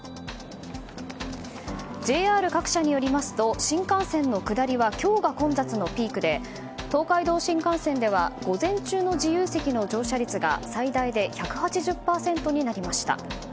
ＪＲ各社によりますと新幹線の下りは今日が混雑のピークで東海道新幹線では午前中の自由席の乗車率が最大で１８０％になりました。